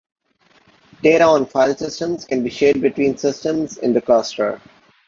Data on file systems can be shared between systems in the cluster.